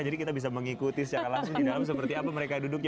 jadi kita bisa mengikuti secara langsung di dalam seperti apa mereka duduknya